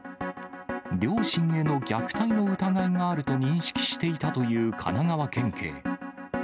両親への虐待の疑いがあると認識していたという神奈川県警。